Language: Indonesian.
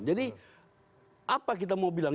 jadi apa kita mau bilang